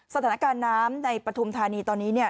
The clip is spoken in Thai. สถานการณ์น้ำในปฐุมธานีตอนนี้เนี่ย